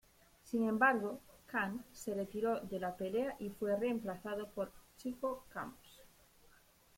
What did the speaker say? Sin embargo, Kang se retiró de la pelea y fue reemplazado por Chico Camus.